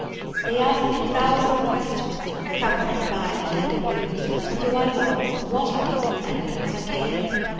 They asked me a thousand questions, accompanied by as many halloos, of who I was, what I was, and whence I came?